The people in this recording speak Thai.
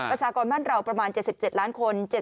ประชากรบ้านเราประมาณ๗๗ล้านคน